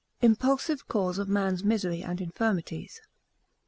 Impulsive Cause of Man's Misery and Infirmities.